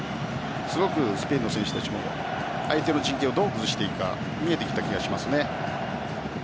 すごくスペインの選手たちも相手の陣形をどう崩していくか見えてきた気がしますね。